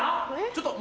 ちょっと！